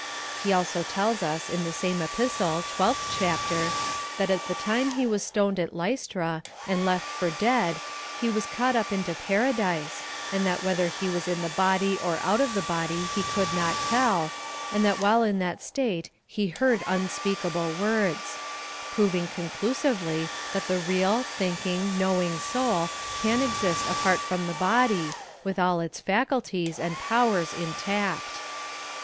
He also tells us, in the same Epistle, 12th chapter, that at the time he was stoned at Lj'stra, and left for dead, he was caught up into Paradise, and that whether he was in the body or out of the body he could not tell, and that while in that state he heard unspeakable words ; prov ing conclusively that the real, thinking, knowing soul can exist apart from the bod}^ with all its faculties and powers intact.